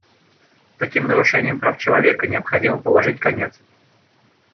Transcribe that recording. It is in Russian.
Таким нарушениям прав человека необходимо положить конец.